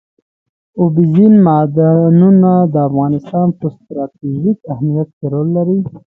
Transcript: اوبزین معدنونه د افغانستان په ستراتیژیک اهمیت کې رول لري.